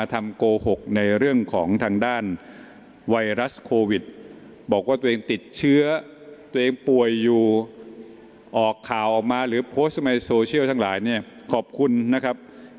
ท่านผู้ชมฟังนะฮะ